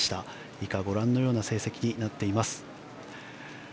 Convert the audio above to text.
以下、ご覧のような成績になっています。